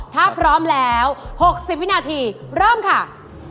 ถ้าพร้อมแล้ว๖๐วินาทีเริ่มค่ะ